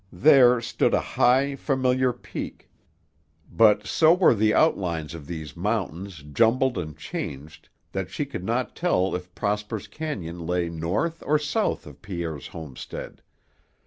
There stood a high, familiar peak, but so were the outlines of these mountains jumbled and changed that she could not tell if Prosper's cañon lay north or south of Pierre's homestead.